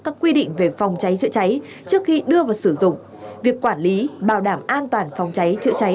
các quy định về phòng cháy chữa cháy trước khi đưa vào sử dụng việc quản lý bảo đảm an toàn phòng cháy chữa cháy